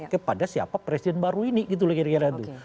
kepada siapa presiden baru ini gitu loh kira kira itu